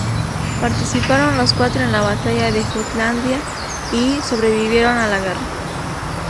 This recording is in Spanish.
Participaron los cuatro en la Batalla de Jutlandia y sobrevivieron a la guerra.